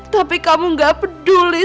tapi kamu gak peduli